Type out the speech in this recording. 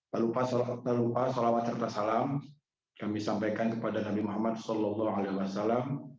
tak lupa salawat serta salam kami sampaikan kepada nabi muhammad saw